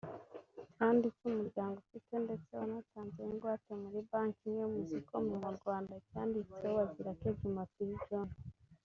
kandi icyo umuryango ufite ndetse wanatanzeho ingwate muri banki imwe mu zikorera mu Rwanda cyanditseho Bazirake Jumapili John